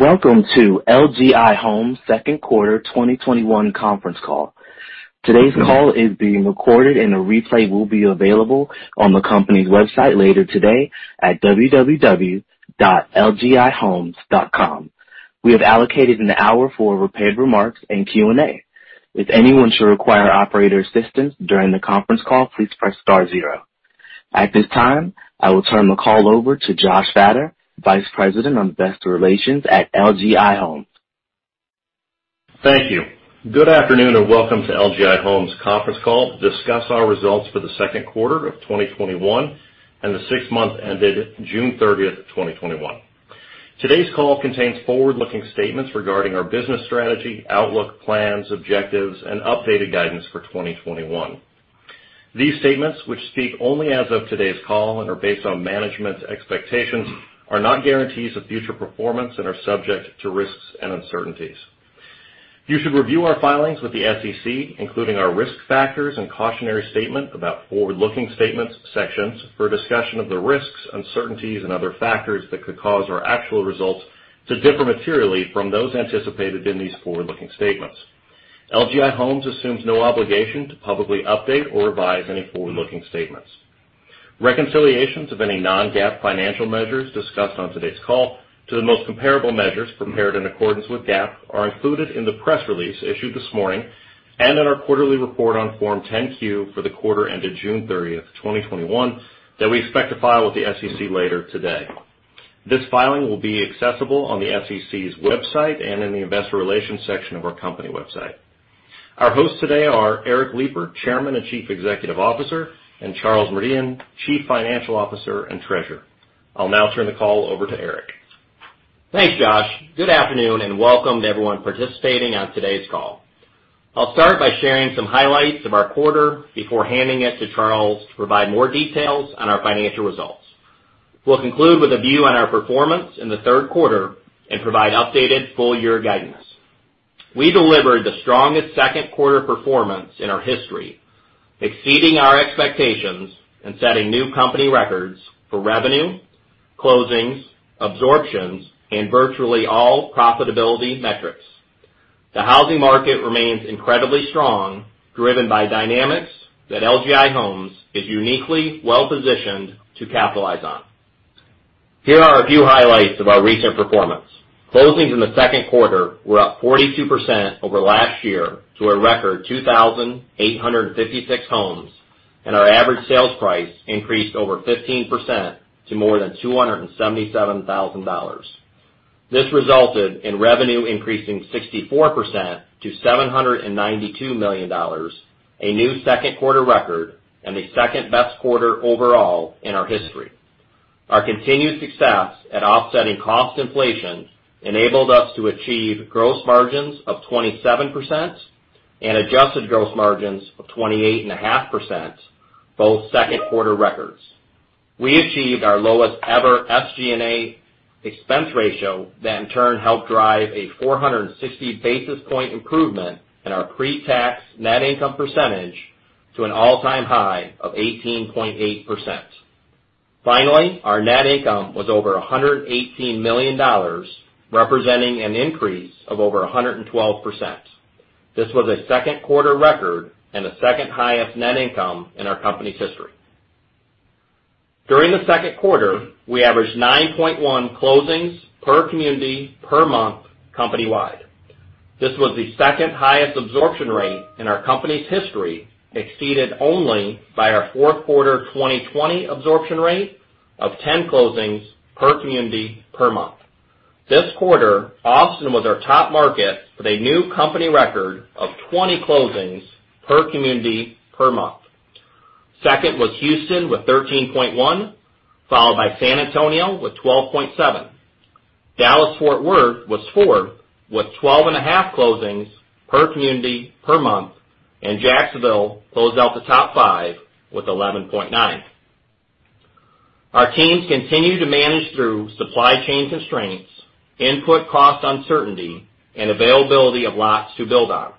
Welcome to LGI Homes Second Quarter 2021 Conference Call. Today's call is being recorded, and a replay will be available on the company's website later today at www.lgihomes.com. We have allocated an hour for prepared remarks and Q&A. If anyone should require operator assistance during the conference call, please press star zero. At this time, I will turn the call over to Joshua Fattor, Vice President of Investor Relations at LGI Homes. Thank you. Good afternoon, and welcome to LGI Homes conference call to discuss our results for the second quarter of 2021 and the six months ended June 30, 2021. Today's call contains forward-looking statements regarding our business strategy, outlook, plans, objectives, and updated guidance for 2021. These statements, which speak only as of today's call and are based on management's expectations, are not guarantees of future performance and are subject to risks and uncertainties. You should review our filings with the SEC, including our risk factors and cautionary statement about forward-looking statements sections, for a discussion of the risks, uncertainties, and other factors that could cause our actual results to differ materially from those anticipated in these forward-looking statements. LGI Homes assumes no obligation to publicly update or revise any forward-looking statements. Reconciliations of any non-GAAP financial measures discussed on today's call to the most comparable measures prepared in accordance with GAAP are included in the press release issued this morning and in our quarterly report on Form 10-Q for the quarter ended June 30, 2021, that we expect to file with the SEC later today. This filing will be accessible on the SEC's website and in the investor relations section of our company website. Our hosts today are Eric Lipar, Chairman and Chief Executive Officer, and Charles Merdian, Chief Financial Officer and Treasurer. I'll now turn the call over to Eric. Thanks, Josh. Good afternoon, and welcome to everyone participating on today's call. I'll start by sharing some highlights of our quarter before handing it to Charles to provide more details on our financial results. We'll conclude with a view on our performance in the third quarter and provide updated full-year guidance. We delivered the strongest second-quarter performance in our history, exceeding our expectations and setting new company records for revenue, closings, absorptions, and virtually all profitability metrics. The housing market remains incredibly strong, driven by dynamics that LGI Homes is uniquely well-positioned to capitalize on. Here are a few highlights of our recent performance. Closings in the second quarter were up 42% over last year to a record 2,856 homes, and our average sales price increased over 15% to more than $277,000. This resulted in revenue increasing 64% to $792 million, a new second-quarter record and the second-best quarter overall in our history. Our continued success at offsetting cost inflation enabled us to achieve gross margins of 27% and adjusted gross margins of 28.5%, both second-quarter records. We achieved our lowest-ever SG&A expense ratio that in turn helped drive a 460-basis point improvement in our pre-tax net income percentage to an all-time high of 18.8%. Our net income was over $118 million, representing an increase of over 112%. This was a second-quarter record and the second-highest net income in our company's history. During the second quarter, we averaged 9.1 closings per community per month company-wide. This was the second-highest absorption rate in our company's history, exceeded only by our fourth-quarter 2020 absorption rate of 10 closings per community per month. This quarter, Austin was our top market with a new company record of 20 closings per community per month. Second was Houston with 13.1, followed by San Antonio with 12.7. Dallas-Fort Worth was fourth with 12.5 closings per community per month, and Jacksonville closed out the top five with 11.9. Our teams continue to manage through supply chain constraints, input cost uncertainty, and availability of lots to build on.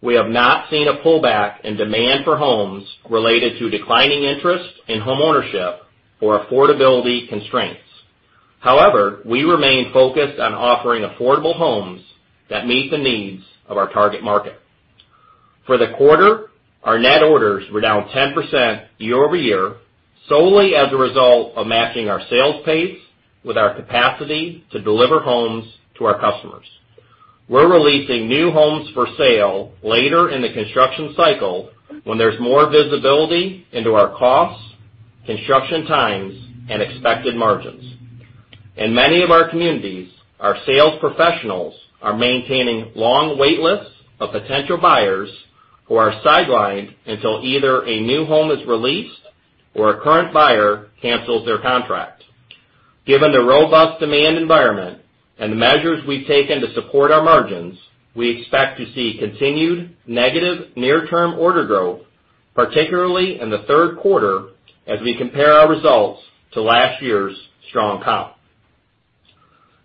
We have not seen a pullback in demand for homes related to declining interest in homeownership or affordability constraints. However, we remain focused on offering affordable homes that meet the needs of our target market. For the quarter, our net orders were down 10% year-over-year solely as a result of matching our sales pace with our capacity to deliver homes to our customers. We're releasing new homes for sale later in the construction cycle when there's more visibility into our costs, construction times, and expected margins. In many of our communities, our sales professionals are maintaining long wait lists of potential buyers who are sidelined until either a new home is released or a current buyer cancels their contract. Given the robust demand environment and the measures we've taken to support our margins, we expect to see continued negative near-term order growth, particularly in the third quarter, as we compare our results to last year's strong comp.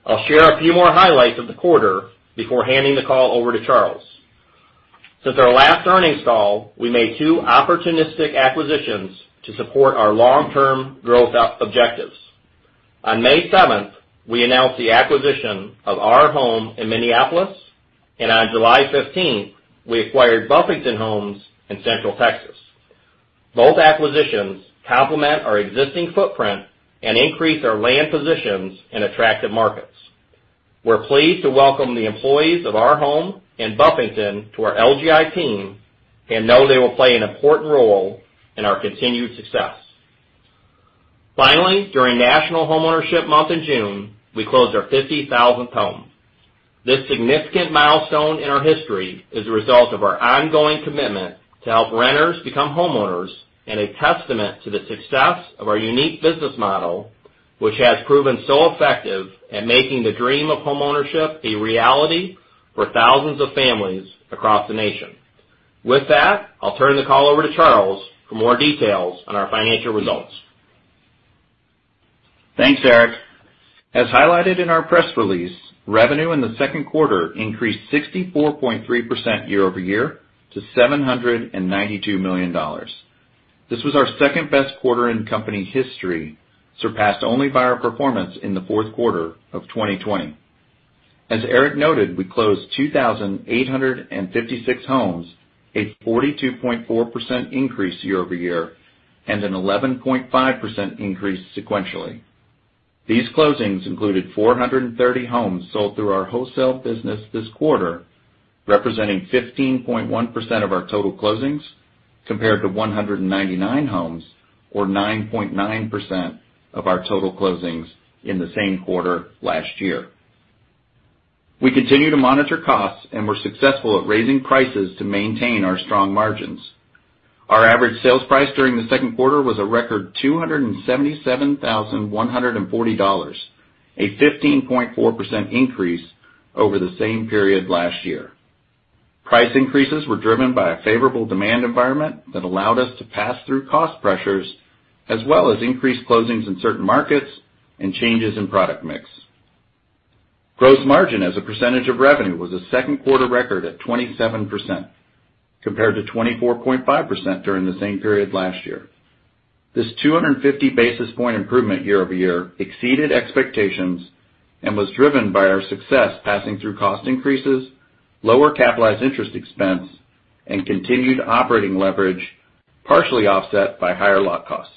I'll share a few more highlights of the quarter before handing the call over to Charles. Since our last earnings call, we made two opportunistic acquisitions to support our long-term growth objectives. On May 7, we announced the acquisition of R Homes, Inc. in Minneapolis, and on July 15, we acquired Buffington Homes in Central Texas. Both acquisitions complement our existing footprint and increase our land positions in attractive markets. We're pleased to welcome the employees of R Home and Buffington to our LGI team and know they will play an important role in our continued success. Finally, during National Homeownership Month in June, we closed our 50,000th home. This significant milestone in our history is a result of our ongoing commitment to help renters become homeowners and a testament to the success of our unique business model, which has proven so effective at making the dream of homeownership a reality for thousands of families across the nation. With that, I'll turn the call over to Charles for more details on our financial results. Thanks, Eric. As highlighted in our press release, revenue in the second quarter increased 64.3% year-over-year to $792 million. This was our second-best quarter in company history, surpassed only by our performance in the fourth quarter of 2020. As Eric noted, we closed 2,856 homes, a 42.4% increase year-over-year and an 11.5% increase sequentially. These closings included 430 homes sold through our wholesale business this quarter, representing 15.1% of our total closings, compared to 199 homes or 9.9% of our total closings in the same quarter last year. We continue to monitor costs and were successful at raising prices to maintain our strong margins. Our average sales price during the second quarter was a record $277,140, a 15.4% increase over the same period last year. Price increases were driven by a favorable demand environment that allowed us to pass through cost pressures, as well as increased closings in certain markets and changes in product mix. Gross margin as a percentage of revenue was a second quarter record at 27%, compared to 24.5% during the same period last year. This 250 basis point improvement year-over-year exceeded expectations and was driven by our success passing through cost increases, lower capitalized interest expense, and continued operating leverage, partially offset by higher lot costs.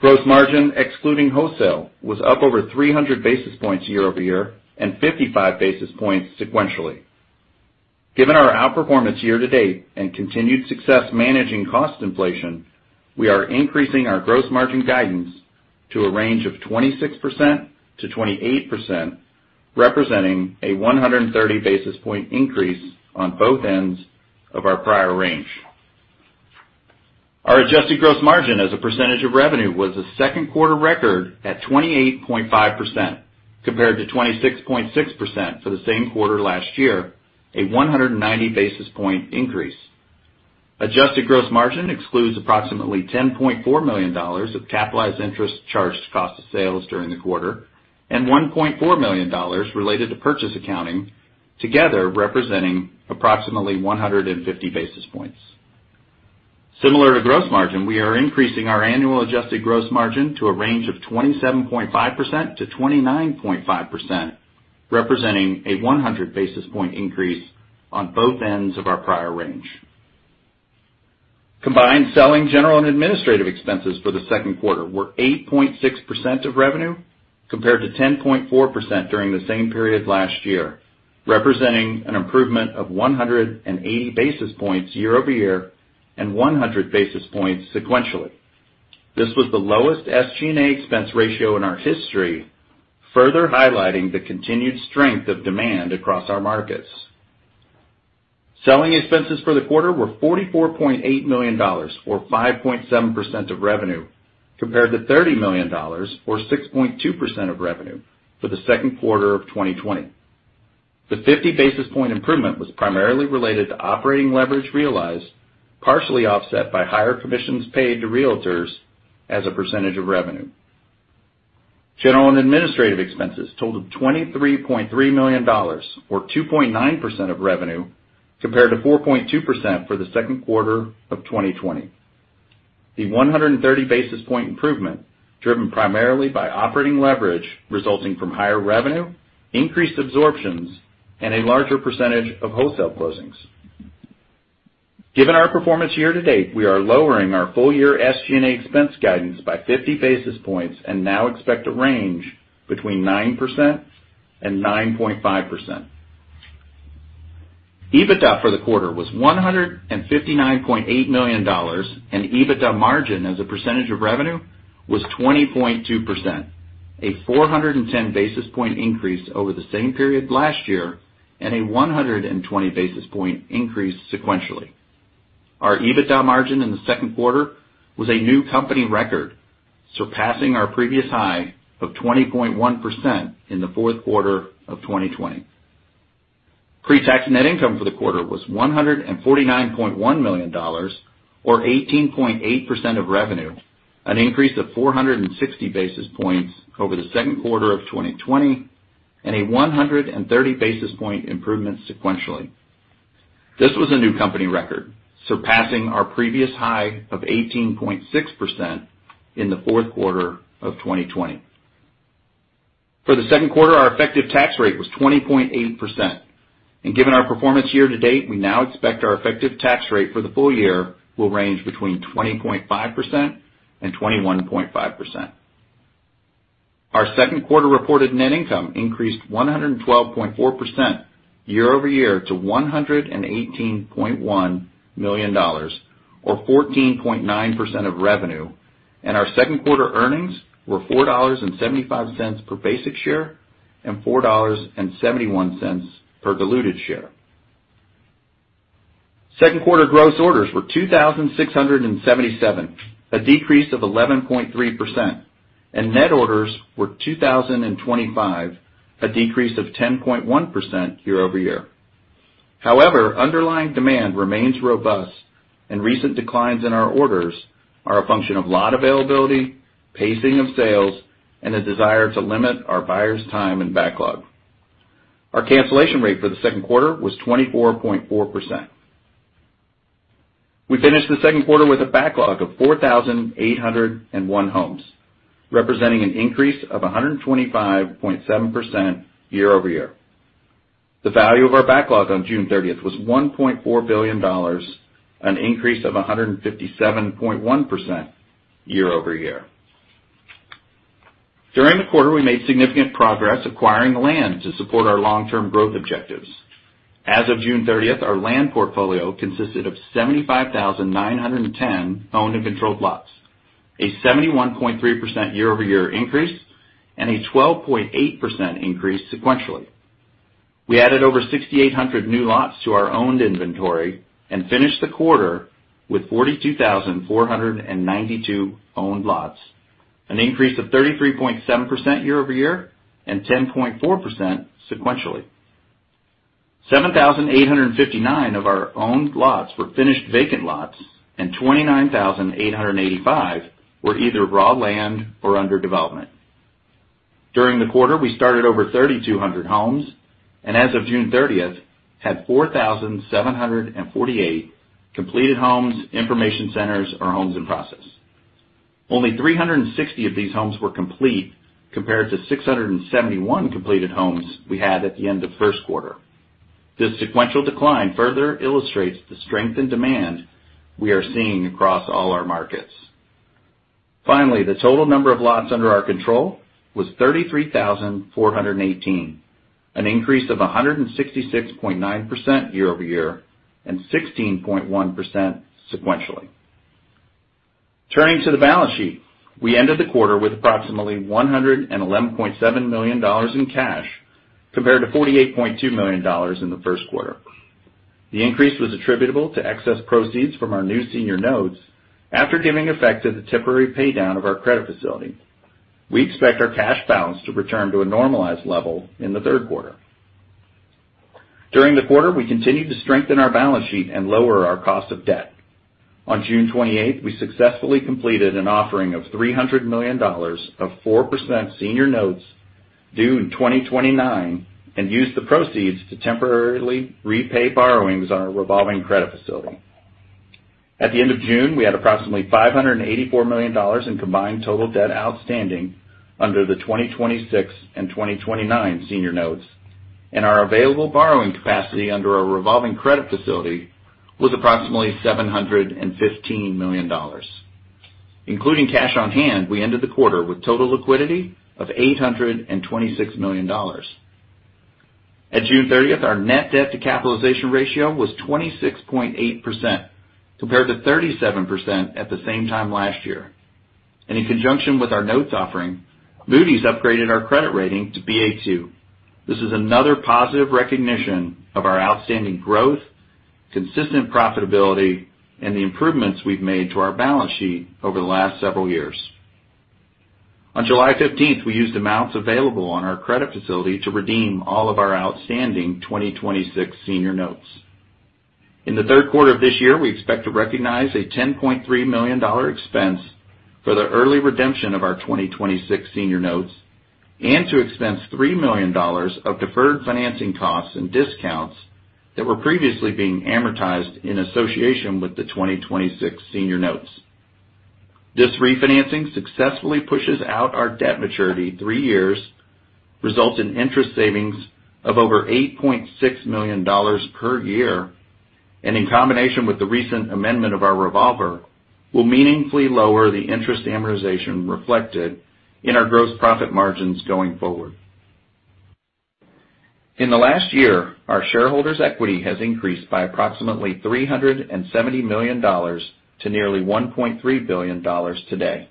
Gross margin, excluding wholesale, was up over 300 basis points year-over-year and 55 basis points sequentially. Given our outperformance year-to-date and continued success managing cost inflation, we are increasing our gross margin guidance to a range of 26%-28%, representing a 130 basis point increase on both ends of our prior range. Our adjusted gross margin as a percentage of revenue was a second quarter record at 28.5%, compared to 26.6% for the same quarter last year, a 190 basis point increase. Adjusted gross margin excludes approximately $10.4 million of capitalized interest charged to cost of sales during the quarter, and $1.4 million related to purchase accounting, together representing approximately 150 basis points. Similar to gross margin, we are increasing our annual adjusted gross margin to a range of 27.5%-29.5%, representing a 100 basis point increase on both ends of our prior range. Combined selling, general, and administrative expenses for the second quarter were 8.6% of revenue, compared to 10.4% during the same period last year, representing an improvement of 180 basis points year-over-year and 100 basis points sequentially. This was the lowest SG&A expense ratio in our history, further highlighting the continued strength of demand across our markets. Selling expenses for the quarter were $44.8 million, or 5.7% of revenue, compared to $30 million or 6.2% of revenue for the second quarter of 2020. The 50 basis point improvement was primarily related to operating leverage realized, partially offset by higher commissions paid to realtors as a percentage of revenue. General and administrative expenses totaled $23.3 million or 2.9% of revenue, compared to 4.2% for the second quarter of 2020. The 130 basis point improvement driven primarily by operating leverage resulting from higher revenue, increased absorptions, and a larger percentage of wholesale closings. Given our performance year to date, we are lowering our full year SG&A expense guidance by 50 basis points and now expect to range between 9% and 9.5%. EBITDA for the quarter was $159.8 million, and EBITDA margin as a percentage of revenue was 20.2%, a 410 basis point increase over the same period last year and a 120 basis point increase sequentially. Our EBITDA margin in the second quarter was a new company record, surpassing our previous high of 20.1% in the fourth quarter of 2020. Pre-tax net income for the quarter was $149.1 million, or 18.8% of revenue, an increase of 460 basis points over the second quarter of 2020 and a 130 basis point improvement sequentially. This was a new company record, surpassing our previous high of 18.6% in the fourth quarter of 2020. For the second quarter, our effective tax rate was 20.8%. Given our performance year to date, we now expect our effective tax rate for the full year will range between 20.5% and 21.5%. Our second quarter reported net income increased 112.4% year-over-year to $118.1 million, or 14.9% of revenue. Our second quarter earnings were $4.75 per basic share and $4.71 per diluted share. Second quarter gross orders were 2,677, a decrease of 11.3%. Net orders were 2,025, a decrease of 10.1% year-over-year. However, underlying demand remains robust and recent declines in our orders are a function of lot availability, pacing of sales, and a desire to limit our buyers' time and backlog. Our cancellation rate for the second quarter was 24.4%. We finished the second quarter with a backlog of 4,801 homes, representing an increase of 125.7% year-over-year. The value of our backlog on June 30 was $1.4 billion, an increase of 157.1% year-over-year. During the quarter, we made significant progress acquiring land to support our long-term growth objectives. As of June 30, our land portfolio consisted of 75,910 owned and controlled lots, a 71.3% year-over-year increase, and a 12.8% increase sequentially. We added over 6,800 new lots to our owned inventory and finished the quarter with 42,492 owned lots, an increase of 33.7% year-over-year and 10.4% sequentially. 7,859 of our owned lots were finished vacant lots, and 29,885 were either raw land or under development. During the quarter, we started over 3,200 homes, and as of June 30, had 4,748 completed homes, information centers, or homes in process. Only 360 of these homes were complete compared to 671 completed homes we had at the end of first quarter. This sequential decline further illustrates the strength in demand we are seeing across all our markets. Finally, the total number of lots under our control was 33,418, an increase of 166.9% year-over-year and 16.1% sequentially. Turning to the balance sheet, we ended the quarter with approximately $111.7 million in cash, compared to $48.2 million in the first quarter. The increase was attributable to excess proceeds from our new senior notes after giving effect to the temporary paydown of our credit facility. We expect our cash balance to return to a normalized level in the third quarter. During the quarter, we continued to strengthen our balance sheet and lower our cost of debt. On June 28, we successfully completed an offering of $300 million of 4% senior notes due 2029 and used the proceeds to temporarily repay borrowings on our revolving credit facility. At the end of June, we had approximately $584 million in combined total debt outstanding under the 2026 and 2029 senior notes, and our available borrowing capacity under our revolving credit facility was approximately $715 million. Including cash on hand, we ended the quarter with total liquidity of $826 million. At June 30, our net debt to capitalization ratio was 26.8%, compared to 37% at the same time last year. In conjunction with our notes offering, Moody's upgraded our credit rating to Ba2. This is another positive recognition of our outstanding growth, consistent profitability, and the improvements we've made to our balance sheet over the last several years. On July 15, we used amounts available on our credit facility to redeem all of our outstanding 2026 senior notes. In the third quarter of this year, we expect to recognize a $10.3 million expense for the early redemption of our 2026 senior notes and to expense $3 million of deferred financing costs and discounts that were previously being amortized in association with the 2026 senior notes. This refinancing successfully pushes out our debt maturity three years, results in interest savings of over $8.6 million per year, and in combination with the recent amendment of our revolver, will meaningfully lower the interest amortization reflected in our gross profit margins going forward. In the last year, our shareholders' equity has increased by approximately $370 million to nearly $1.3 billion today.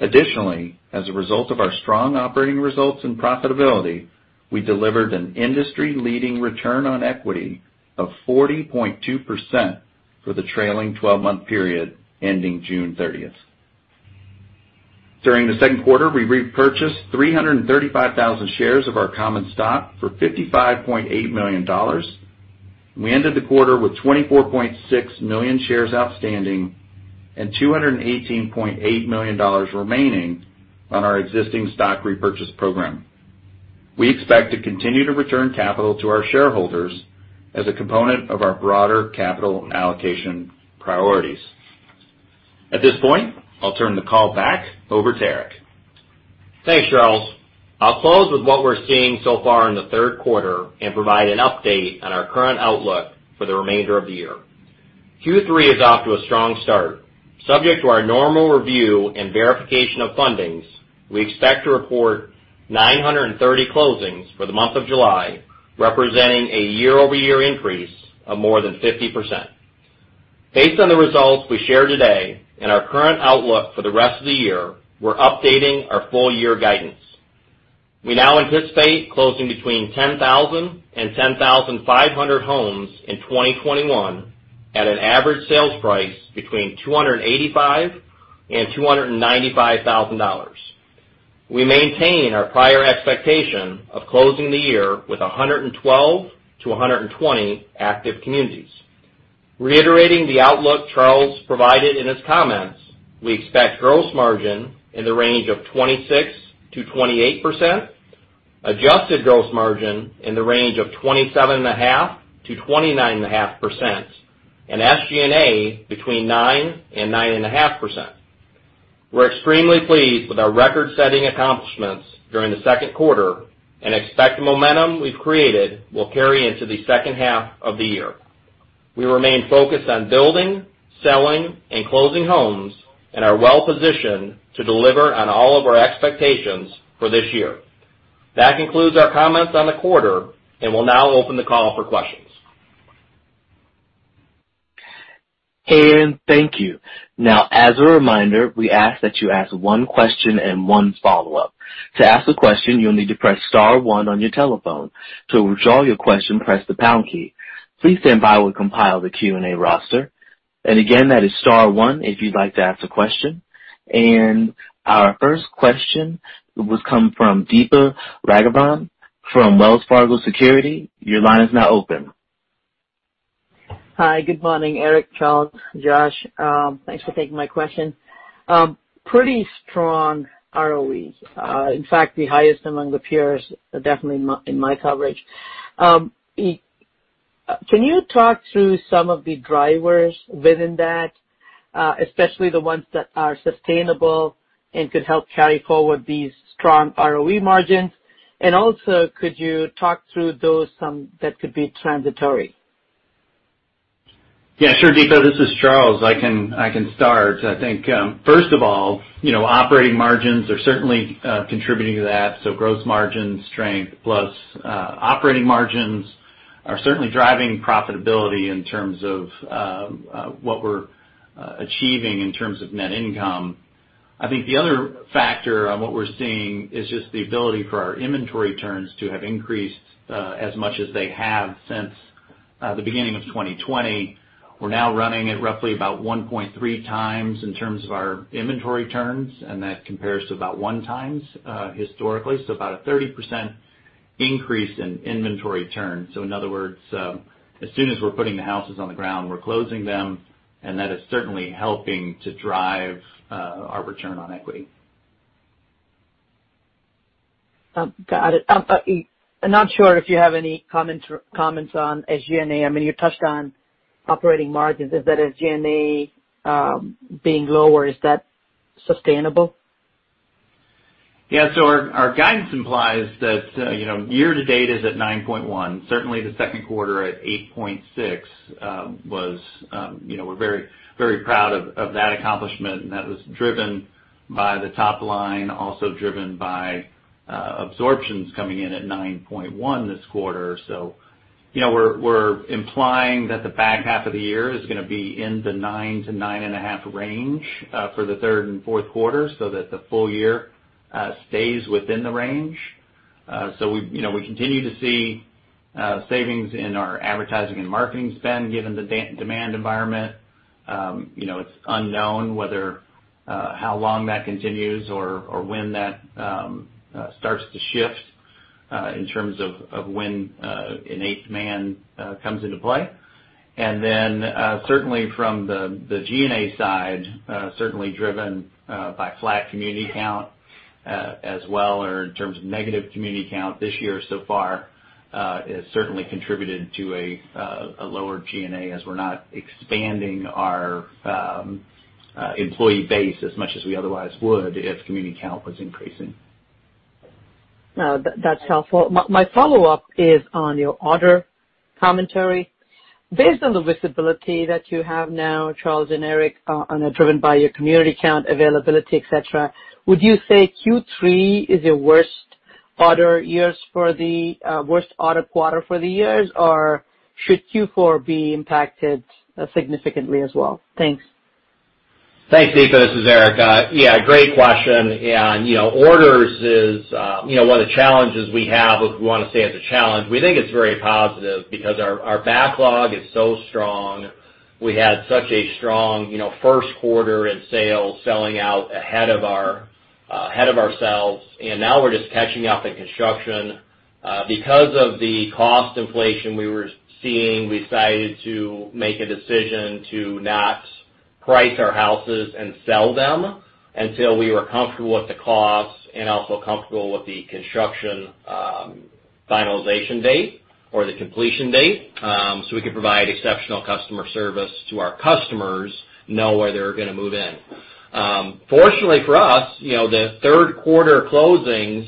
Additionally, as a result of our strong operating results and profitability, we delivered an industry-leading return on equity of 40.2% for the trailing 12-month period ending June 30. During the second quarter, we repurchased 335,000 shares of our common stock for $55.8 million. We ended the quarter with 24.6 million shares outstanding and $218.8 million remaining on our existing stock repurchase program. We expect to continue to return capital to our shareholders as a component of our broader capital allocation priorities. At this point, I'll turn the call back over to Eric. Thanks, Charles. I'll close with what we're seeing so far in the third quarter and provide an update on our current outlook for the remainder of the year. Q3 is off to a strong start. Subject to our normal review and verification of fundings, we expect to report 930 closings for the month of July, representing a year-over-year increase of more than 50%. Based on the results we share today and our current outlook for the rest of the year, we're updating our full year guidance. We now anticipate closing between 10,000 and 10,500 homes in 2021, at an average sales price between $285,000 and $295,000. We maintain our prior expectation of closing the year with 112-120 active communities. Reiterating the outlook Charles provided in his comments, we expect gross margin in the range of 26%-28%, adjusted gross margin in the range of 27.5%-29.5%, and SG&A between 9% and 9.5%. We're extremely pleased with our record-setting accomplishments during the second quarter and expect the momentum we've created will carry into the second half of the year. We remain focused on building, selling, and closing homes and are well-positioned to deliver on all of our expectations for this year. That concludes our comments on the quarter, and we'll now open the call for questions. Thank you. Now, as a reminder, we ask that you ask one question and one follow-up. To ask a question, you'll need to press star one on your telephone. To withdraw your question, press the pound key. Please stand by while we compile the Q&A roster. Again, that is star one if you'd like to ask a question. Our first question will come from Deepa Raghavan from Wells Fargo Securities. Your line is now open. Hi, good morning, Eric, Charles, Josh. Thanks for taking my question. Pretty strong ROEs. In fact, the highest among the peers, definitely in my coverage. Can you talk through some of the drivers within that, especially the ones that are sustainable and could help carry forward these strong ROE margins? Also, could you talk through those some that could be transitory? Yeah, sure, Deepa. This is Charles. I can start. I think, first of all, operating margins are certainly contributing to that. Gross margin strength plus operating margins are certainly driving profitability in terms of what we're achieving in terms of net income. I think the other factor on what we're seeing is just the ability for our inventory turns to have increased as much as they have since the beginning of 2020. We're now running at roughly about 1.3x in terms of our inventory turns, and that compares to about 1x historically. About a 30% increase in inventory turns. In other words, as soon as we're putting the houses on the ground, we're closing them, and that is certainly helping to drive our return on equity. Got it. I'm not sure if you have any comments on SG&A. I mean, you touched on operating margins. Is that SG&A being lower, is that sustainable? Our guidance implies that year to date is at 9.1%. Certainly, the second quarter at 8.6%, we're very proud of that accomplishment, and that was driven by the top line, also driven by absorptions coming in at 9.1% this quarter. We're implying that the back half of the year is going to be in the 9%-9.5% range for the third and fourth quarter, so that the full year stays within the range. We continue to see savings in our advertising and marketing spend, given the demand environment. It's unknown how long that continues or when that starts to shift in terms of when innate demand comes into play. Certainly from the G&A side, certainly driven by flat community count as well or in terms of negative community count this year so far, has certainly contributed to a lower G&A as we're not expanding our employee base as much as we otherwise would if community count was increasing. No, that's helpful. My follow-up is on your order commentary. Based on the visibility that you have now, Charles and Eric, on a driven by your community count availability, et cetera, would you say Q3 is your worst order quarter for the years, or should Q4 be impacted significantly as well? Thanks. Thanks, Deepa. This is Eric. Yeah, great question. Orders is one of the challenges we have, if we want to say it's a challenge. We think it's very positive because our backlog is so strong. We had such a strong first quarter in sales, selling out ahead of ourselves. Now we're just catching up in construction. Because of the cost inflation we were seeing, we decided to make a decision to not price our houses and sell them until we were comfortable with the costs and also comfortable with the construction finalization date or the completion date, so we could provide exceptional customer service to our customers, know where they're going to move in. Fortunately for us, the third quarter closings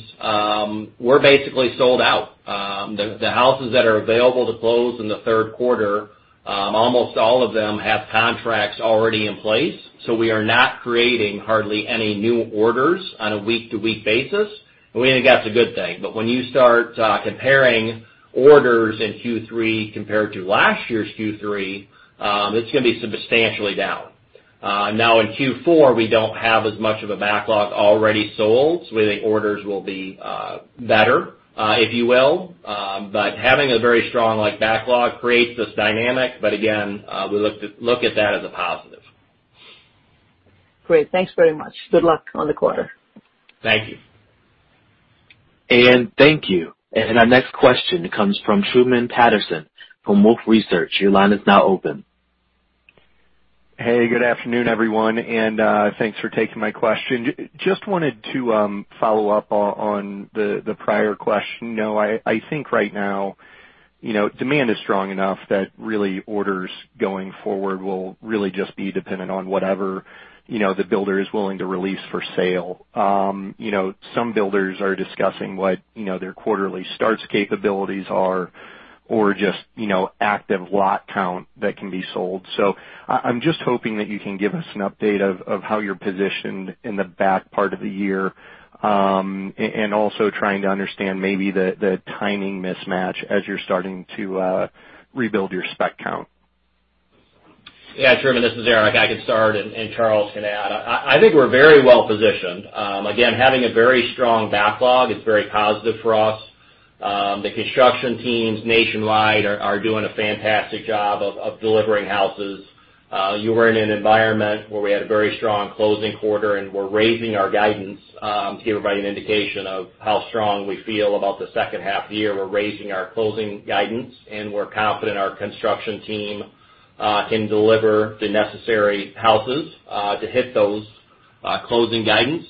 were basically sold out. The houses that are available to close in the third quarter, almost all of them have contracts already in place. We are not creating hardly any new orders on a week-to-week basis. We think that's a good thing. When you start comparing orders in Q3 compared to last year's Q3, it's going to be substantially down. In Q4, we don't have as much of a backlog already sold, so we think orders will be better, if you will. Having a very strong backlog creates this dynamic, but again, we look at that as a positive. Great. Thanks very much. Good luck on the quarter. Thank you. Thank you. Our next question comes from Truman Patterson from Wolfe Research. Hey, good afternoon, everyone. Thanks for taking my question. Just wanted to follow up on the prior question. I think right now, demand is strong enough that really orders going forward will really just be dependent on whatever the builder is willing to release for sale. Some builders are discussing what their quarterly starts capabilities are or just active lot count that can be sold. I'm just hoping that you can give us an update of how you're positioned in the back part of the year, and also trying to understand maybe the timing mismatch as you're starting to rebuild your spec count. Yeah, Truman, this is Eric. I can start and Charles can add. I think we're very well-positioned. Again, having a very strong backlog is very positive for us. The construction teams nationwide are doing a fantastic job of delivering houses. You were in an environment where we had a very strong closing quarter, and we're raising our guidance to give everybody an indication of how strong we feel about the second half of the year. We're raising our closing guidance, and we're confident our construction team can deliver the necessary houses to hit those closing guidance.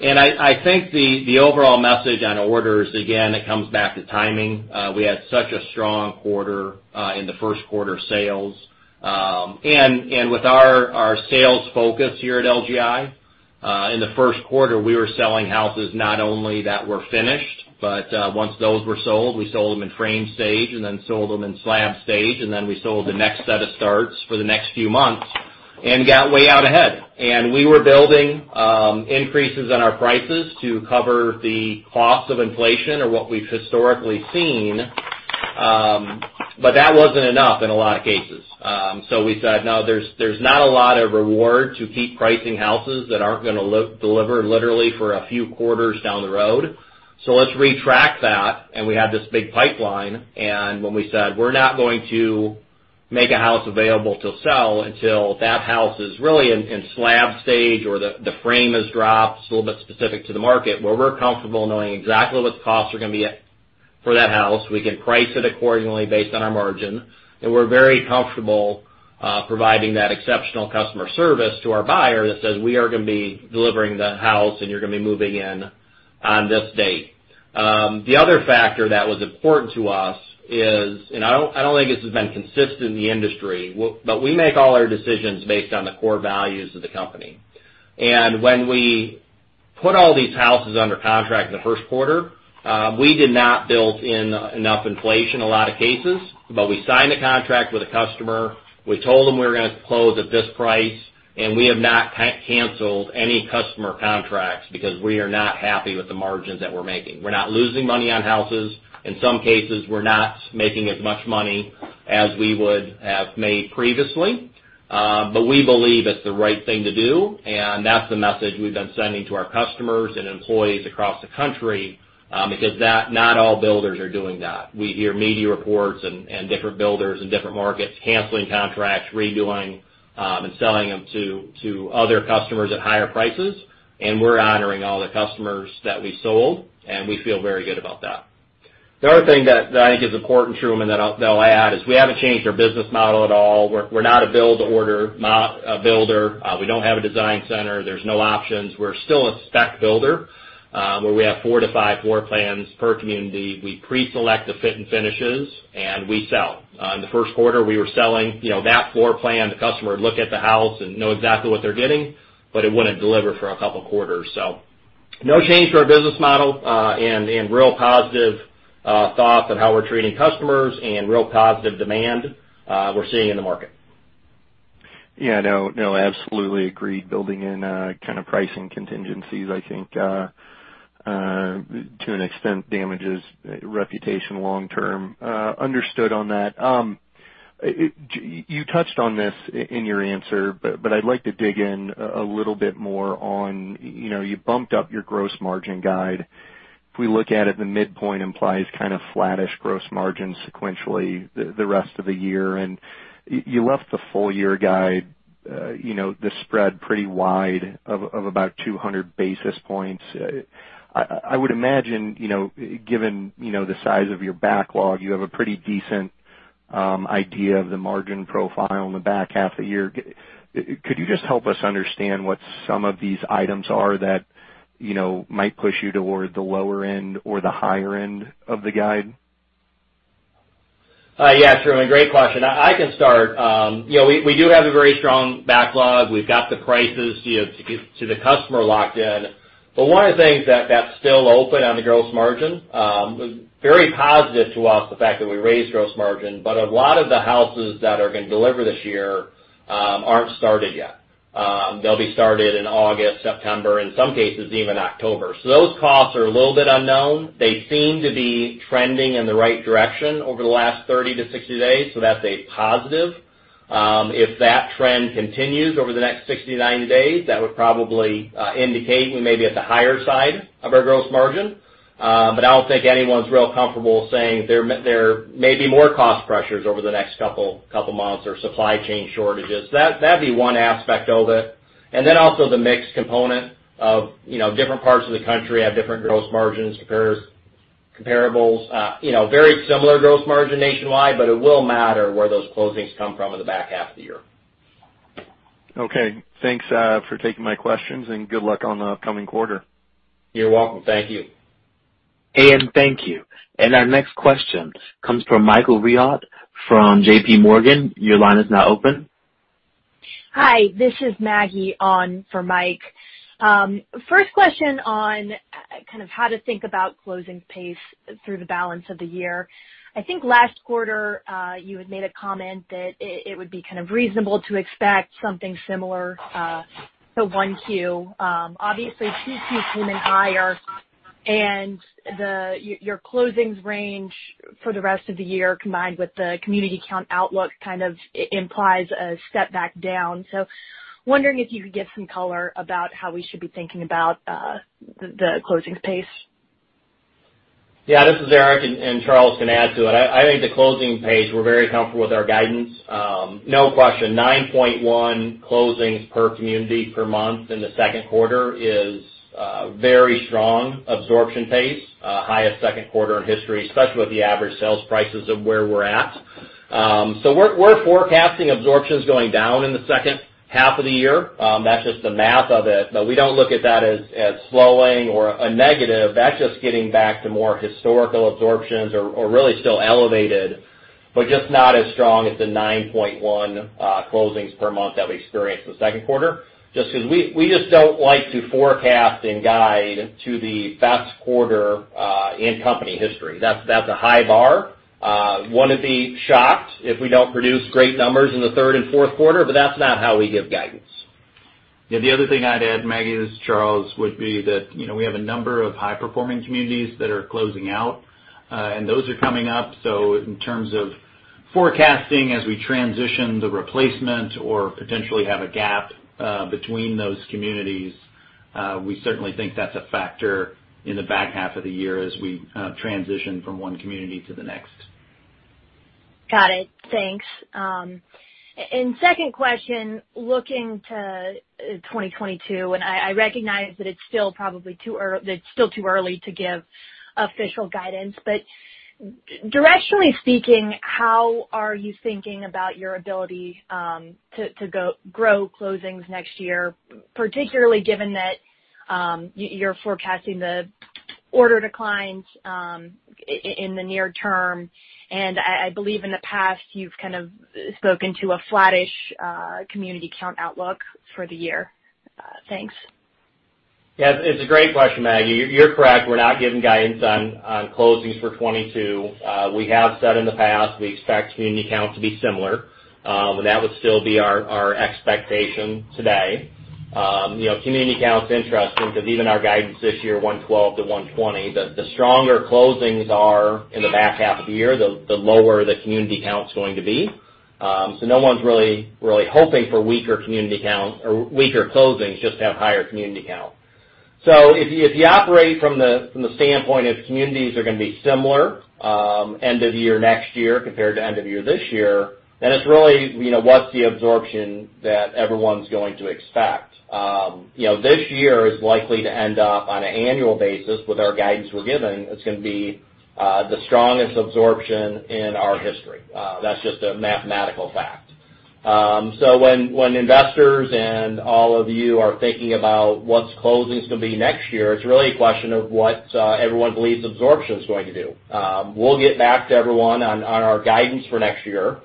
I think the overall message on orders, again, it comes back to timing. We had such a strong quarter in the first quarter sales. With our sales focus here at LGI, in the first quarter, we were selling houses not only that were finished, but once those were sold, we sold them in frame stage, and then sold them in slab stage, and then we sold the next set of starts for the next few months and got way out ahead. We were building increases in our prices to cover the cost of inflation or what we've historically seen, but that wasn't enough in a lot of cases. We said, no, there's not a lot of reward to keep pricing houses that aren't going to deliver literally for a few quarters down the road. Let's retract that, and we had this big pipeline. When we said, we're not going to make a house available to sell until that house is really in slab stage or the frame has dropped, it's a little bit specific to the market, where we're comfortable knowing exactly what the costs are going to be for that house. We can price it accordingly based on our margin, and we're very comfortable providing that exceptional customer service to our buyer that says, we are going to be delivering the house and you're going to be moving in on this date. The other factor that was important to us is, and I don't think this has been consistent in the industry, but we make all our decisions based on the core values of the company. When we put all these houses under contract in the first quarter, we did not build in enough inflation in a lot of cases, but we signed a contract with a customer. We told them we were going to close at this price, and we have not canceled any customer contracts because we are not happy with the margins that we're making. We're not losing money on houses. In some cases, we're not making as much money as we would have made previously. We believe it's the right thing to do, and that's the message we've been sending to our customers and employees across the country, because not all builders are doing that. We hear media reports and different builders in different markets canceling contracts, redoing, and selling them to other customers at higher prices, and we're honoring all the customers that we sold, and we feel very good about that. The other thing that I think is important, Truman, that I'll add is we haven't changed our business model at all. We're not a build-to-order builder. We don't have a design center. There's no options. We're still a spec builder, where we have four floor plans-five floor plans per community. We pre-select the fit and finishes, and we sell. In the first quarter, we were selling that floor plan. The customer would look at the house and know exactly what they're getting, but it wouldn't deliver for a couple of quarters. No change to our business model, and real positive thoughts on how we're treating customers and real positive demand we're seeing in the market. Yeah, no. Absolutely agreed. Building in kind of pricing contingencies, I think, to an extent, damages reputation long-term. Understood on that. You touched on this in your answer but I'd like to dig in a little bit more on, you bumped up your gross margin guide. If we look at it, the midpoint implies kind of flattish gross margin sequentially the rest of the year, and you left the full year guide, the spread pretty wide of about 200 basis points. I would imagine, given the size of your backlog, you have a pretty decent idea of the margin profile in the back half of the year. Could you just help us understand what some of these items are that might push you toward the lower end or the higher end of the guide? Yeah, sure. Great question. I can start. We do have a very strong backlog. We've got the prices to the customer locked in. One of the things that's still open on the gross margin, very positive to us the fact that we raised gross margin. A lot of the houses that are going to deliver this year aren't started yet. They'll be started in August, September, in some cases even October. Those costs are a little bit unknown. They seem to be trending in the right direction over the last 30 days-60 days, that's a positive. If that trend continues over the next 60 day-90 days, that would probably indicate we may be at the higher side of our gross margin. I don't think anyone's real comfortable saying there may be more cost pressures over the next couple months or supply chain shortages. That'd be one aspect of it. Also the mix component of different parts of the country have different gross margins, comparables. Very similar gross margin nationwide, but it will matter where those closings come from in the back half of the year. Okay. Thanks for taking my questions. Good luck on the upcoming quarter. You're welcome. Thank you. Thank you. Our next question comes from Michael Rehaut from JPMorgan. Your line is now open. Hi, this is Maggie on for Mike. First question on kind of how to think about closing pace through the balance of the year. I think last quarter, you had made a comment that it would be kind of reasonable to expect something similar to 1Q. Obviously, Q2 came in higher, your closings range for the rest of the year, combined with the community count outlook, kind of implies a step back down. Wondering if you could give some color about how we should be thinking about the closings pace. Yeah, this is Eric, and Charles can add to it. I think the closing pace, we're very comfortable with our guidance. No question, 9.1% closings per community per month in the second quarter is a very strong absorption pace. Highest second quarter in history, especially with the average sales prices of where we're at. We're forecasting absorptions going down in the second half of the year. That's just the math of it. We don't look at that as slowing or a negative. That's just getting back to more historical absorptions, or really still elevated, but just not as strong as the 9.1% closings per month that we experienced in the second quarter. Just because we just don't like to forecast and guide to the best quarter in company history. That's a high bar. Wouldn't be shocked if we don't produce great numbers in the third and fourth quarter, but that's not how we give guidance. Yeah, the other thing I'd add, Maggie, this is Charles, would be that we have a number of high-performing communities that are closing out, and those are coming up. In terms of forecasting as we transition the replacement or potentially have a gap between those communities, we certainly think that's a factor in the back half of the year as we transition from one community to the next. Got it. Thanks. Second question, looking to 2022, and I recognize that it's still too early to give official guidance, but directionally speaking, how are you thinking about your ability to grow closings next year, particularly given that you're forecasting the order declines in the near-term, and I believe in the past you've kind of spoken to a flattish community count outlook for the year. Thanks. Yeah, it's a great question, Maggie. You're correct. We're not giving guidance on closings for 2022. We have said in the past we expect community count to be similar, and that would still be our expectation today. Community count's interesting because even our guidance this year, 112-120, the stronger closings are in the back half of the year, the lower the community count's going to be. No one's really hoping for weaker community counts or weaker closings just to have higher community count. If you operate from the standpoint of communities are going to be similar end of year next year compared to end of year this year, then it's really what's the absorption that everyone's going to expect? This year is likely to end up on an annual basis with our guidance we're giving, it's going to be the strongest absorption in our history. That's just a mathematical fact. When investors and all of you are thinking about what's closings going to be next year, it's really a question of what everyone believes absorption is going to do. We'll get back to everyone on our guidance for next year,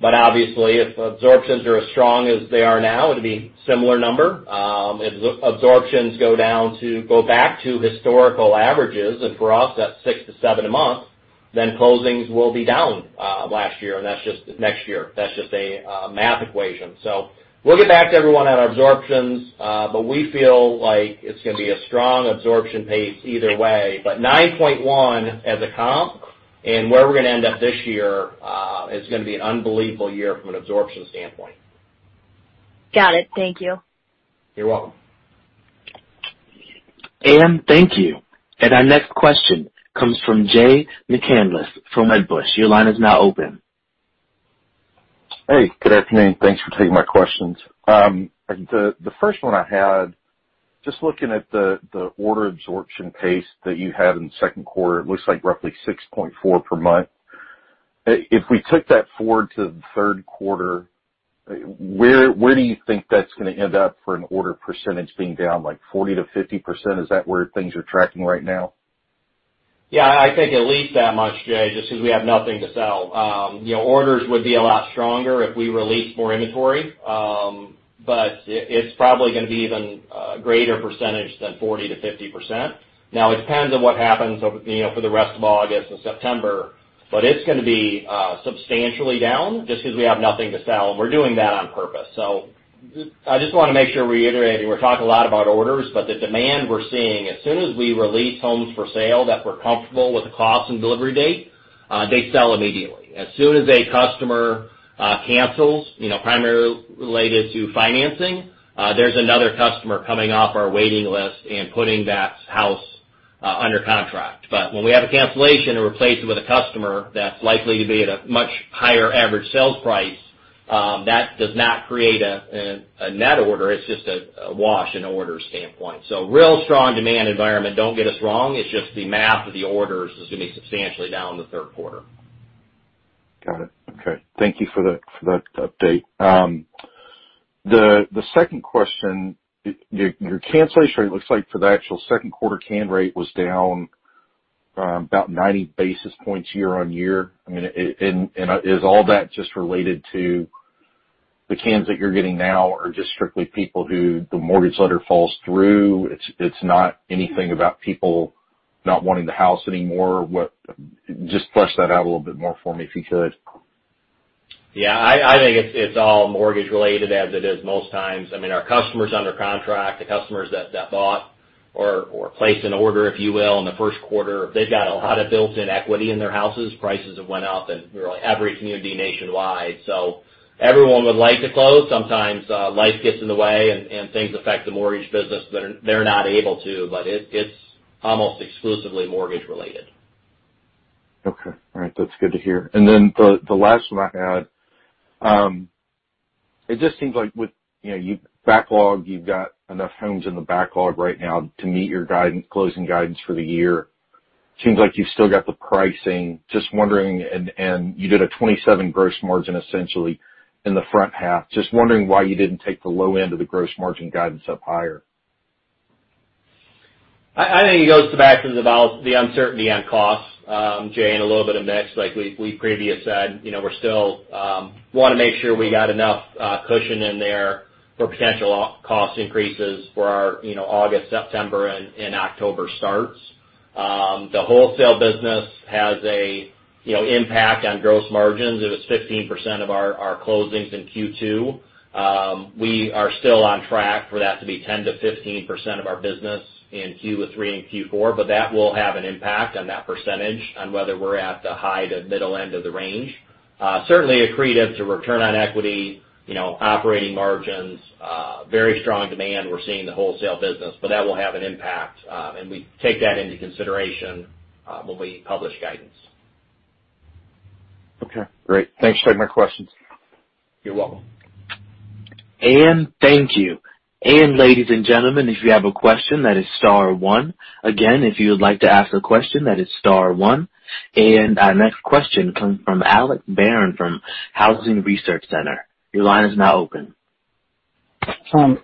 but obviously if absorptions are as strong as they are now, it'll be similar number. If absorptions go back to historical averages, and for us that's 6-7 a month, then closings will be down next year. That's just a math equation. We'll get back to everyone on our absorptions, but we feel like it's going to be a strong absorption pace either way. 9.1% as a comp and where we're going to end up this year is going to be an unbelievable year from an absorption standpoint. Got it. Thank you. You're welcome. Thank you. Our next question comes from Jay McCanless from Wedbush. Your line is now open. Hey, good afternoon. Thanks for taking my questions. The first one I had, just looking at the order absorption pace that you had in the second quarter, it looks like roughly 6.4 per month. If we took that forward to the third quarter, where do you think that's going to end up for an order percentage being down like 40%-50%? Is that where things are tracking right now? Yeah, I think at least that much, Jay, just because we have nothing to sell. Orders would be a lot stronger if we released more inventory. It's probably going to be even a greater percentage than 40%-50%. It depends on what happens for the rest of August and September, but it's going to be substantially down just because we have nothing to sell, and we're doing that on purpose. I just want to make sure, reiterating, we're talking a lot about orders, but the demand we're seeing, as soon as we release homes for sale that we're comfortable with the cost and delivery date, they sell immediately. As soon as a customer cancels, primarily related to financing, there's another customer coming off our waiting list and putting that house under contract. When we have a cancellation and replace it with a customer, that's likely to be at a much higher average sales price. That does not create a net order. It's just a wash in order standpoint. Real strong demand environment. Don't get us wrong. It's just the math of the orders is going to be substantially down in the third quarter. Got it. Okay. Thank you for the update. The second question, your cancellation rate looks like for the actual second quarter, can rate was down about 90 basis points year-on-year. Is all that just related to the cans that you're getting now are just strictly people who the mortgage lender falls through? It's not anything about people not wanting the house anymore. Just flesh that out a little bit more for me, if you could. Yeah, I think it's all mortgage related as it is most times. Our customers under contract, the customers that bought or placed an order, if you will, in the first quarter, they've got a lot of built-in equity in their houses. Prices have went up in every community nationwide. Everyone would like to close. Sometimes life gets in the way and things affect the mortgage business. They're not able to, but it's almost exclusively mortgage related. Okay. All right. That's good to hear. The last one I had, it just seems like with your backlog, you've got enough homes in the backlog right now to meet your closing guidance for the year. Seems like you've still got the pricing. You did a 27% gross margin, essentially, in the front half. Just wondering why you didn't take the low end of the gross margin guidance up higher. I think it goes back to about the uncertainty on costs, Jay, and a little bit of mix like we previously said. We still want to make sure we got enough cushion in there for potential cost increases for our August, September, and October starts. The wholesale business has an impact on gross margins. It was 15% of our closings in Q2. We are still on track for that to be 10%-15% of our business in Q3 and Q4, that will have an impact on that percentage on whether we're at the high to middle end of the range. Certainly accretive to return on equity, operating margins very strong demand we're seeing in the wholesale business, that will have an impact, and we take that into consideration when we publish guidance. Okay, great. Thanks for taking my questions. You're welcome. Thank you. Ladies and gentlemen, if you have a question, that is star one. Again, if you would like to ask a question, that is star one. Our next question comes from Alex Barron from Housing Research Center. Your line is now open.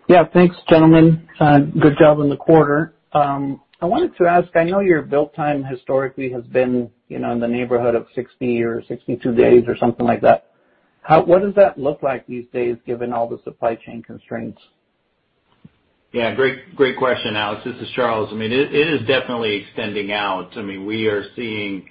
Yeah. Thanks, gentlemen. Good job on the quarter. I wanted to ask, I know your build time historically has been in the neighborhood of 60 or 62 days or something like that. What does that look like these days, given all the supply chain constraints? Yeah, great question, Alex. This is Charles. It is definitely extending out. We are seeing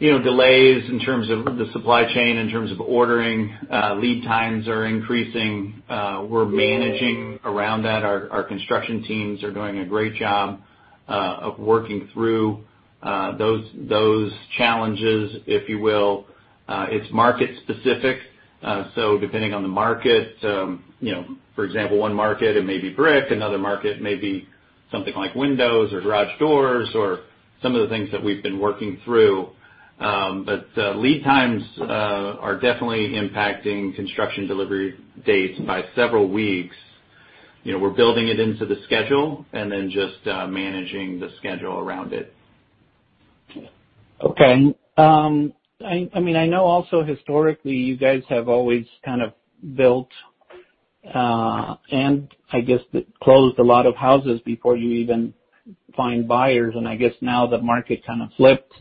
delays in terms of the supply chain, in terms of ordering. Lead times are increasing. We're managing around that. Our construction teams are doing a great job of working through those challenges, if you will. It's market specific. Depending on the market, for example, one market it may be brick, another market it may be something like windows or garage doors or some of the things that we've been working through. Lead times are definitely impacting construction delivery dates by several weeks. We're building it into the schedule and then just managing the schedule around it. Okay. I know also historically, you guys have always kind of built, and I guess closed a lot of houses before you even find buyers. I guess now the market kind of flipped,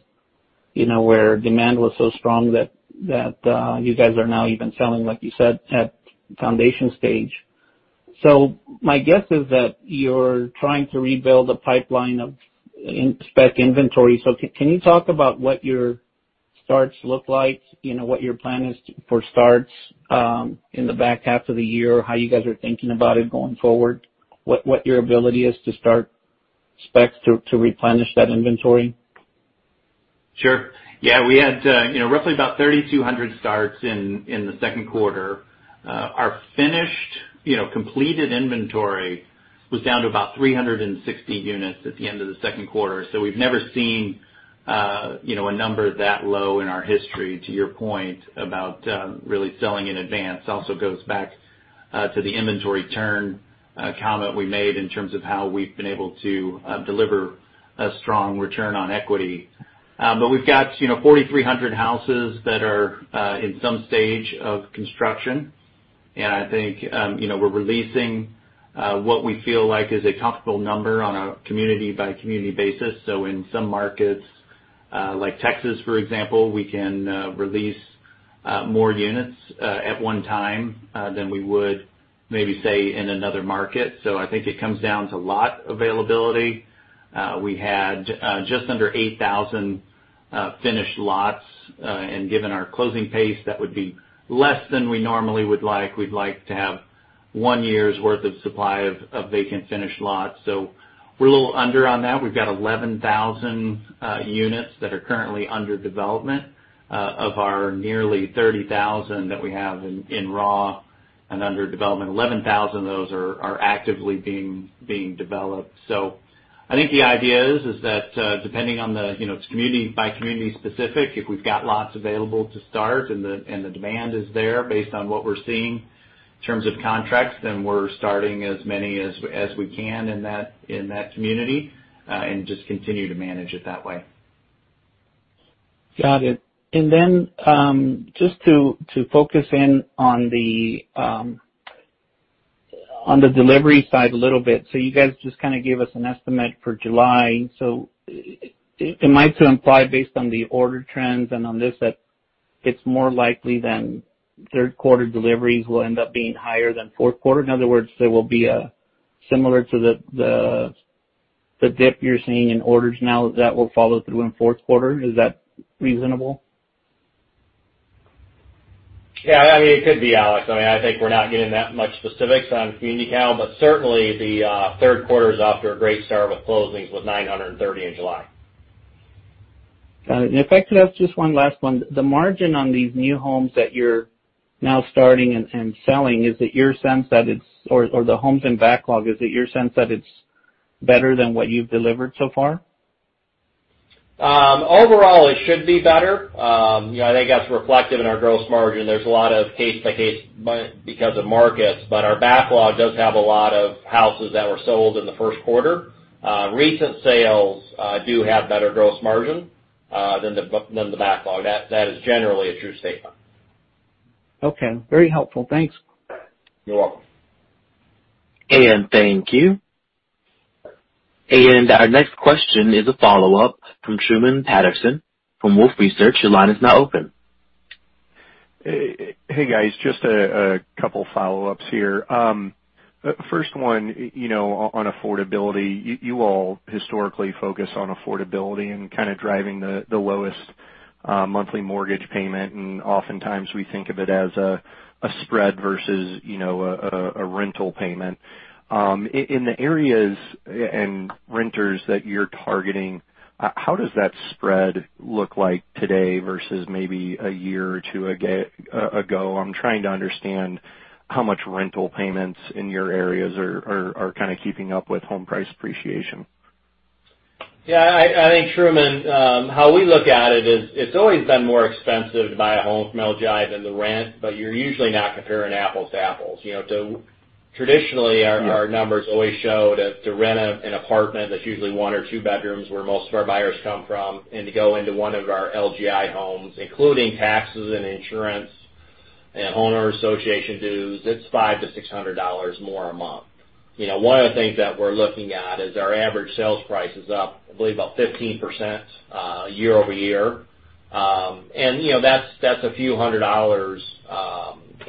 where demand was so strong that you guys are now even selling, like you said, at foundation stage. My guess is that you're trying to rebuild a pipeline of spec inventory. Can you talk about what your starts look like? What your plan is for starts in the back half of the year? How you guys are thinking about it going forward? What your ability is to start specs to replenish that inventory? Sure. Yeah, we had roughly about 3,200 starts in the second quarter. Our finished, completed inventory was down to about 360 units at the end of the second quarter. We've never seen a number that low in our history, to your point about really selling in advance. Also goes back to the inventory turn comment we made in terms of how we've been able to deliver a strong return on equity. We've got 4,300 houses that are in some stage of construction, and I think we're releasing what we feel like is a comfortable number on a community-by-community basis. In some markets, like Texas, for example, we can release more units at one time than we would maybe, say, in another market. I think it comes down to lot availability. We had just under 8,000 finished lots. Given our closing pace, that would be less than we normally would like. We'd like to have one year's worth of supply of vacant finished lots. We're a little under on that. We've got 11,000 units that are currently under development of our nearly 30,000 that we have in raw and under development. 11,000 of those are actively being developed. I think the idea is that it's community by community specific, if we've got lots available to start and the demand is there based on what we're seeing in terms of contracts, then we're starting as many as we can in that community, and just continue to manage it that way. Got it. Just to focus in on the delivery side a little bit. You guys just kind of gave us an estimate for July. Am I to imply, based on the order trends and on this, that it's more likely then third quarter deliveries will end up being higher than fourth quarter? In other words, there will be a similar to the dip you're seeing in orders now that will follow through in fourth quarter. Is that reasonable? It could be, Alex. I think we're not giving that much specifics on community count, but certainly the third quarter is off to a great start with closings with 930 in July. Got it. If I could ask just one last one. The margin on these new homes that you're now starting and selling, or the homes in backlog, is it your sense that it's better than what you've delivered so far? Overall, it should be better. I think that's reflective in our gross margin. There's a lot of case-by-case because of markets, but our backlog does have a lot of houses that were sold in the first quarter. Recent sales do have better gross margin than the backlog. That is generally a true statement. Okay. Very helpful. Thanks. You're welcome. Thank you. Our next question is a follow-up from Truman Patterson from Wolfe Research. Your line is now open. Hey, guys. Just a couple follow-ups here. First one, on affordability. You all historically focus on affordability and kind of driving the lowest monthly mortgage payment, and oftentimes we think of it as a spread versus a rental payment. In the areas and renters that you're targeting, how does that spread look like today versus maybe a year or two ago? I'm trying to understand how much rental payments in your areas are kind of keeping up with home price appreciation. Yeah, I think, Truman, how we look at it is, it's always been more expensive to buy a home from LGI than to rent, but you're usually not comparing apples to apples. Traditionally, our numbers always show that to rent an apartment that's usually one or two bedrooms, where most of our buyers come from, and to go into one of our LGI Homes, including taxes and insurance and homeowner association dues, it's $500-$600 more a month. One of the things that we're looking at is our average sales price is up, I believe, about 15% year-over-year. That's a few hundred dollars,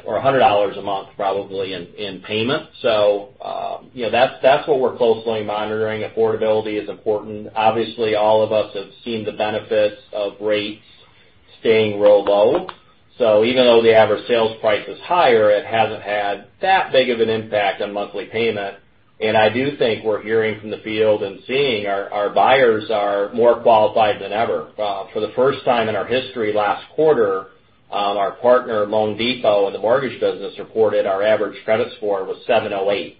or $100 a month probably, in payment. That's what we're closely monitoring. Affordability is important. Obviously, all of us have seen the benefits of rates staying real low. Even though the average sales price is higher, it hasn't had that big of an impact on monthly payment. I do think we're hearing from the field and seeing our buyers are more qualified than ever. For the first time in our history, last quarter, our partner, loanDepot, in the mortgage business, reported our average credit score was 708.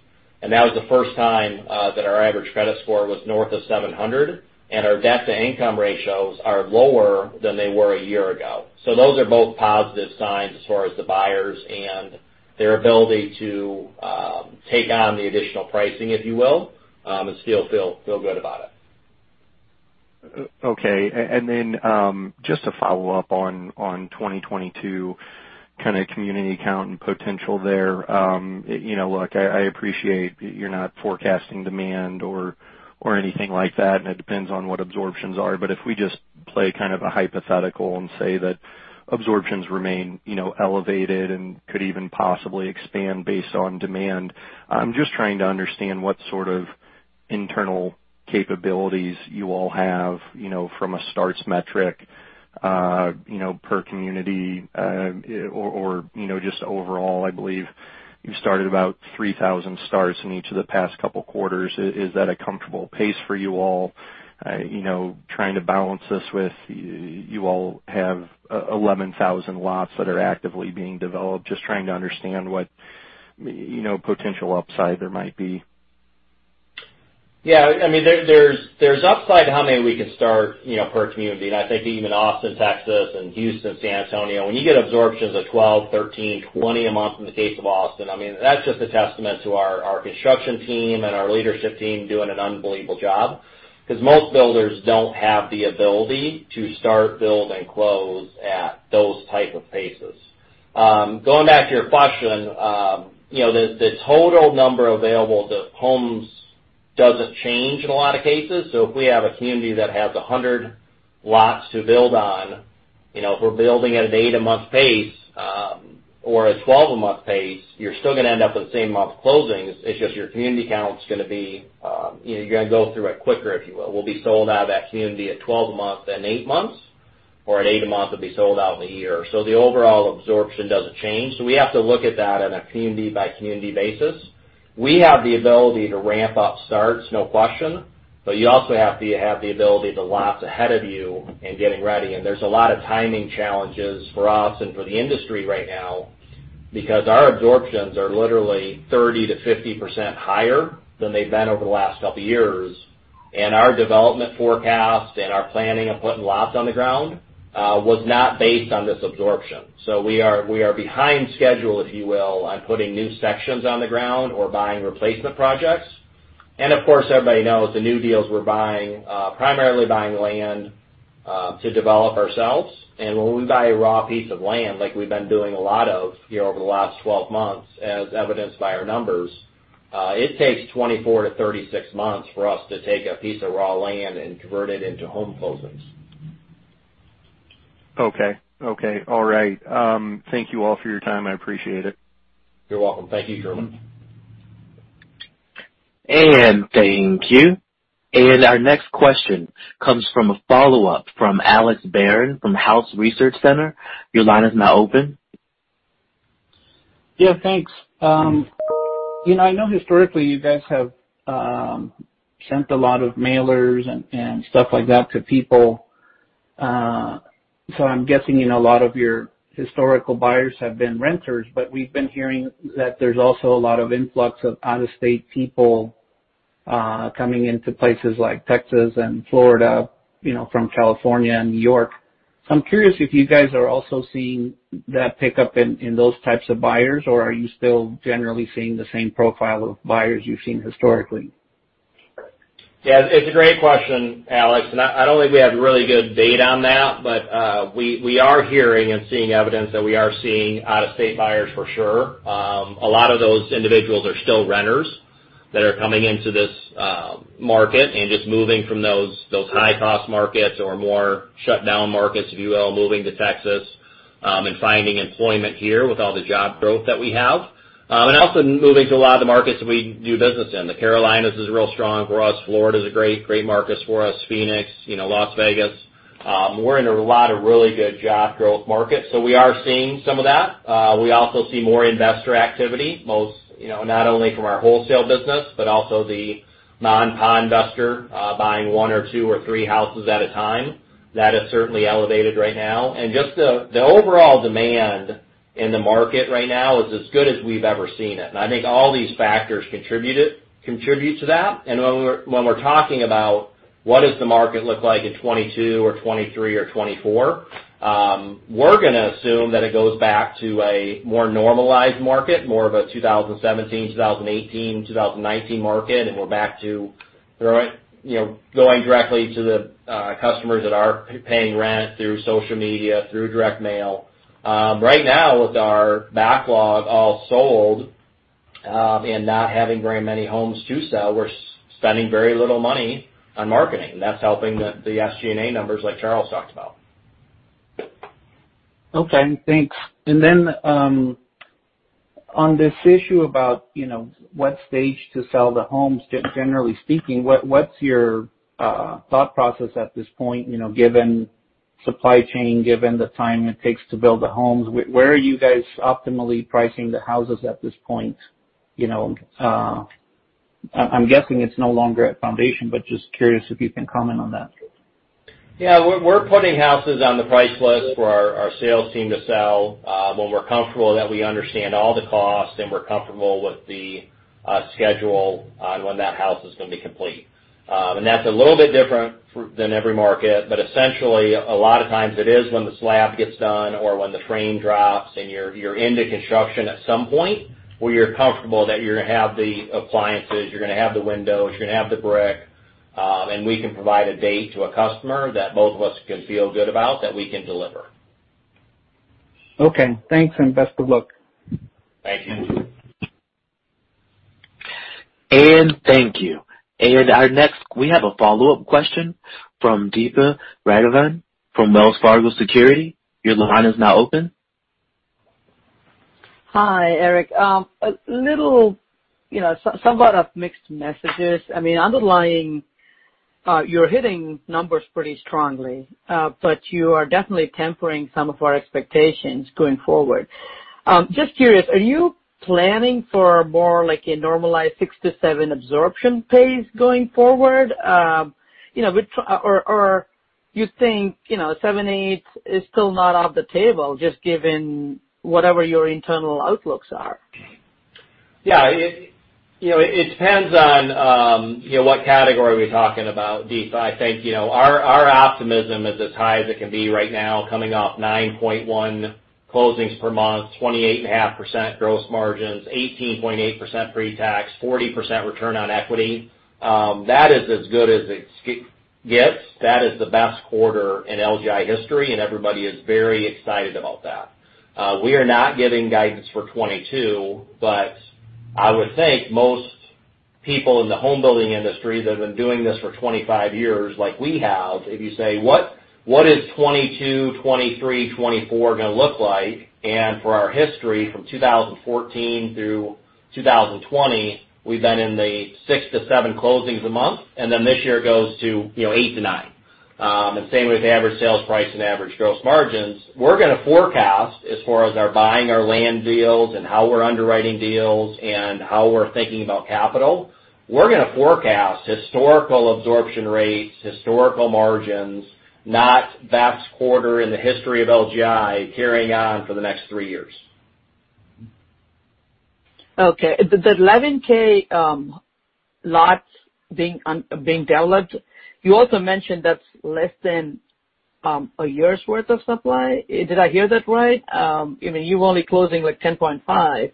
That was the first time that our average credit score was north of 700, and our debt-to-income ratios are lower than they were a year ago. Those are both positive signs as far as the buyers and their ability to take on the additional pricing, if you will, and still feel good about it. Okay. Just to follow up on 2022, kind of community count and potential there. Look, I appreciate you're not forecasting demand or anything like that, and it depends on what absorptions are, but if we just play kind of a hypothetical and say that absorptions remain elevated and could even possibly expand based on demand, I'm just trying to understand what sort of internal capabilities you all have from a starts metric per community or just overall, I believe you started about 3,000 starts in each of the past couple quarters. Is that a comfortable pace for you all? Trying to balance this with, you all have 11,000 lots that are actively being developed. Just trying to understand what potential upside there might be. There's upside to how many we can start per community. I think even Austin, Texas and Houston, San Antonio, when you get absorptions of 12, 13, 20 a month in the case of Austin, that's just a testament to our construction team and our leadership team doing an unbelievable job. Most builders don't have the ability to start, build, and close at those type of paces. Going back to your question, the total number available of homes doesn't change in a lot of cases. If we have a community that has 100 lots to build on, if we're building at an eight-a-month pace, or a 12-a-month pace, you're still going to end up with the same month closings. You're going to go through it quicker, if you will. We'll be sold out of that community at 12 a month than eight months, or at eight a month, it'll be sold out in a year. The overall absorption doesn't change. We have to look at that on a community-by-community basis. We have the ability to ramp up starts, no question, but you also have to have the ability, the lots ahead of you in getting ready. There's a lot of timing challenges for us and for the industry right now, because our absorptions are literally 30%-50% higher than they've been over the last couple years. Our development forecast and our planning of putting lots on the ground, was not based on this absorption. We are behind schedule, if you will, on putting new sections on the ground or buying replacement projects. Of course, everybody knows the new deals we're buying, primarily buying land, to develop ourselves. When we buy a raw piece of land, like we've been doing a lot of over the last 12 months, as evidenced by our numbers, it takes 24 months-36 months for us to take a piece of raw land and convert it into home closings. Okay. All right. Thank you all for your time. I appreciate it. You're welcome. Thank you, Truman. Thank you. Our next question comes from a follow-up from Alex Barron from Housing Research Center. Yeah, thanks. I know historically you guys have sent a lot of mailers and stuff like that to people. I'm guessing in a lot of your historical buyers have been renters, but we've been hearing that there's also a lot of influx of out-of-state people coming into places like Texas and Florida from California and New York. I'm curious if you guys are also seeing that pickup in those types of buyers, or are you still generally seeing the same profile of buyers you've seen historically? Yeah, it's a great question, Alex. I don't think we have really good data on that, but we are hearing and seeing evidence that we are seeing out-of-state buyers for sure. A lot of those individuals are still renters that are coming into this market and just moving from those high-cost markets or more shut-down markets, if you will, moving to Texas, and finding employment here with all the job growth that we have. Also moving to a lot of the markets that we do business in. The Carolinas is real strong for us. Florida is a great market for us. Phoenix, Las Vegas, we're in a lot of really good job growth markets, so we are seeing some of that. We also see more investor activity, not only from our wholesale business, but also the non-fund investor, buying one or two or three houses at a time. That is certainly elevated right now. Just the overall demand in the market right now is as good as we've ever seen it. I think all these factors contribute to that. When we're talking about what does the market look like in 2022 or 2023 or 2024, we're going to assume that it goes back to a more normalized market, more of a 2017, 2018, 2019 market, and we're back to going directly to the customers that are paying rent through social media, through direct mail. Right now, with our backlog all sold, and not having very many homes to sell, we're spending very little money on marketing. That's helping the SG&A numbers like Charles talked about. Okay, thanks. On this issue about what stage to sell the homes, generally speaking, what's your thought process at this point, given supply chain, given the time it takes to build the homes, where are you guys optimally pricing the houses at this point? I'm guessing it's no longer at foundation, but just curious if you can comment on that. Yeah. We're putting houses on the price list for our sales team to sell, when we're comfortable that we understand all the costs and we're comfortable with the schedule on when that house is going to be complete. That's a little bit different than every market, but essentially, a lot of times it is when the slab gets done or when the frame drops and you're into construction at some point where you're comfortable that you're going to have the appliances, you're going to have the windows, you're going to have the brick, and we can provide a date to a customer that both of us can feel good about that we can deliver. Okay, thanks, and best of luck. Thank you. Thank you. Our next, we have a follow-up question from Deepa Raghavan from Wells Fargo Securities. Your line is now open. Hi, Eric. Somewhat of mixed messages. I mean, underlying, you're hitting numbers pretty strongly, but you are definitely tempering some of our expectations going forward. Just curious, are you planning for more like a normalized 6-7 absorption pace going forward? Or you think seven, eight is still not off the table, just given whatever your internal outlooks are? It depends on what category we're talking about, Deepa. I think our optimism is as high as it can be right now, coming off 9.1% closings per month, 28.5% gross margins, 18.8% pre-tax, 40% return on equity. That is as good as it gets. That is the best quarter in LGI history, and everybody is very excited about that. We are not giving guidance for 2022, but I would think most people in the home building industry that have been doing this for 25 years like we have, if you say, what is 2022, 2023, 2024 going to look like? For our history, from 2014-2020, we've been in the 6-7 closings a month, and then this year it goes to eight-nine. Same with average sales price and average gross margins. We're going to forecast as far as our buying our land deals and how we're underwriting deals and how we're thinking about capital. We're going to forecast historical absorption rates, historical margins, not best quarter in the history of LGI carrying on for the next three years. Okay. The 11,000 lots being developed, you also mentioned that's less than a year's worth of supply. Did I hear that right? I mean, you're only closing like 10,500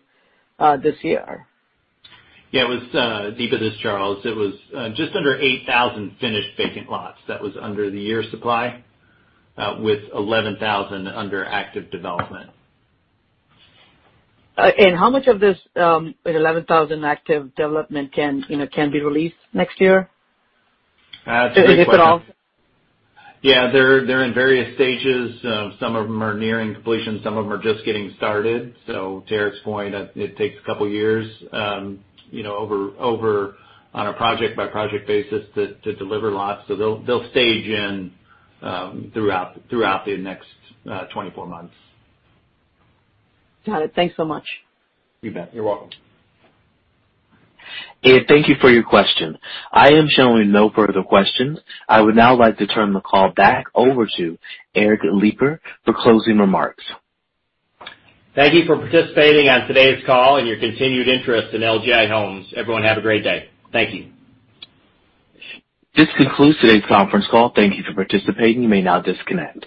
this year. Yeah, Deepa, this is Charles. It was just under 8,000 finished vacant lots. That was under the year supply, with 11,000 under active development. how much of this 11,000 active development can be released next year? That's a great question. If at all. Yeah, they're in various stages. Some of them are nearing completion, some of them are just getting started. To Eric's point, it takes a couple of years on a project-by-project basis to deliver lots. They'll stage in throughout the next 24 months. Got it. Thanks so much. You bet. You're welcome. Thank you for your question. I am showing no further questions. I would now like to turn the call back over to Eric Lipar for closing remarks. Thank you for participating on today's call and your continued interest in LGI Homes. Everyone, have a great day. Thank you. This concludes today's conference call. Thank you for participating. You may now disconnect.